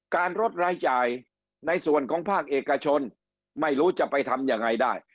การลดรายจ่ายในส่วนของภาคเอกชนไม่รู้จะไปทำยังไงได้